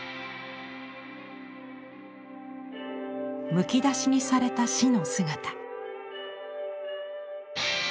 むき出しにされた死の姿。